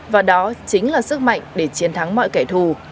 và đó chính là sức mạnh để chiến thắng mọi kẻ thù